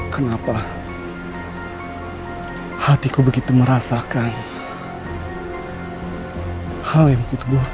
kenapa hatiku begitu merasakan hal yang begitu buruk